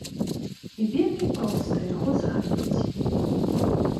І вельмі проста яго захапіць.